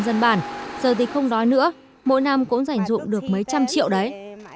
giờ thì không đói nữa mỗi năm cũng giành dụng được mấy trăm triệu đấy